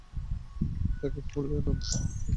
তাকে পুলে নামতে কে দেখেছেন?